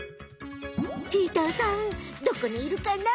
チーターさんどこにいるかな？